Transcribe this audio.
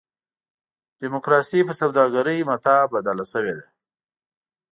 ډیموکراسي په سوداګرۍ متاع بدله شوې ده.